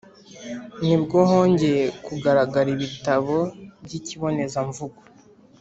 nibwo hongeye kugaragara ibitabo by’ikibonezamvugo